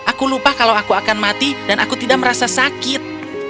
aku lupa kalau aku akan mati dan aku tidak merasa sakit